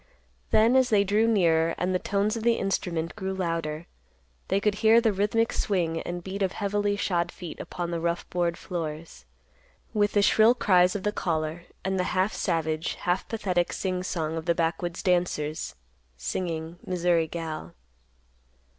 Then as they drew nearer and the tones of the instrument grew louder, they could hear the rhythmic swing and beat of heavily shod feet upon the rough board floors, with the shrill cries of the caller, and the half savage, half pathetic sing song of the backwoods dancers, singing, "Missouri Gal."